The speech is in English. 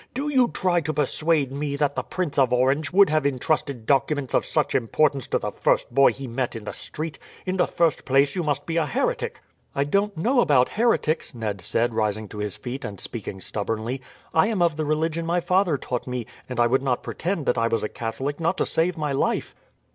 "Do you try to persuade me that the Prince of Orange would have intrusted documents of such importance to the first boy he met in the street? In the first place you must be a heretic." "I don't know about heretics," Ned said, rising to his feet and speaking stubbornly. "I am of the religion my father taught me, and I would not pretend that I was a Catholic, not to save my life."